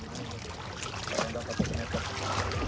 tidak usah pakai snorkel